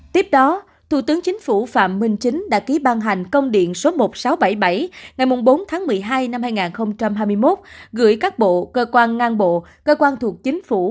tiếp đó thủ tướng chính phủ phạm minh chính đã ký ban hành công điện số một nghìn sáu trăm bảy mươi bảy ngày bốn tháng một mươi hai năm hai nghìn hai mươi một gửi các bộ cơ quan ngang bộ cơ quan thuộc chính phủ